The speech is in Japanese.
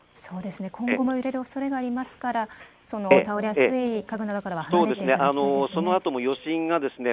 今後も揺れるおそれがありますから倒れやすい家具などからは離れていただきたいですね。